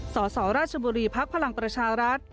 สศราชบุรีพพลังประชารัฐ